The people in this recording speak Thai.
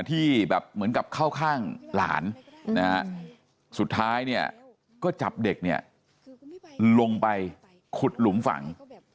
ที่แบบเหมือนกับเข้าข้างหลานนะฮะสุดท้ายเนี่ยก็จับเด็กเนี่ยลงไปขุดหลุมฝั่ง